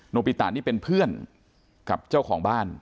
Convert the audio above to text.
ปิตะนี่เป็นเพื่อนกับเจ้าของบ้าน